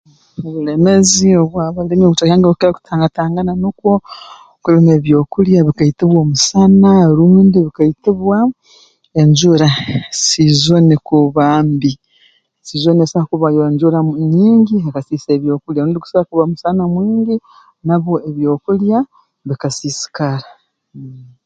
Obulemeeezi obu abalimi mu kicweka kyange bakukira kutangatangana nukwo kulima ebyokulya bikaitibwa omusana rundi bikaitibwa enjura siizoni kuba mbi siizoni esobora kuba y'enjura nyingi ekasiisa ebyokulya rundi guso kuba musana mwingi nabwo ebyokulya bikasiisikara